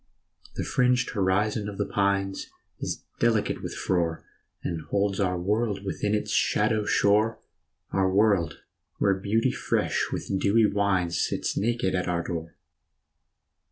The fringed horizon of the pines Is delicate with frore, And holds our world within its shadow shore, Our world where beauty fresh with dewy wines Sits naked at our door.